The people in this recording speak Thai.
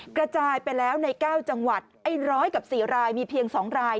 กระจายไปแล้วใน๙จังหวัดไอ้๑๐๐กับ๔รายมีเพียง๒ราย